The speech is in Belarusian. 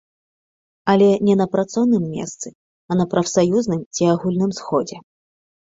Але не на працоўным месцы, а на прафсаюзным ці агульным сходзе.